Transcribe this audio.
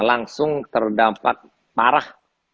langsung terdampak parah